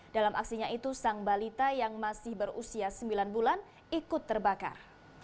dalam aksinya itu sang balita yang masih berusia sembilan bulan ikut terbakar